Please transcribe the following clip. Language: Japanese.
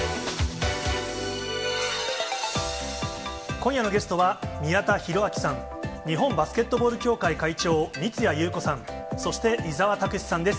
今夜のゲストは、宮田裕章さん、日本バスケットボール協会会長、三屋裕子さん、そして、伊沢拓司さんです。